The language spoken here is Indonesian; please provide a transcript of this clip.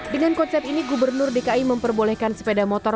dengan konsep ini gubernur dki memperbolehkan sepeda motor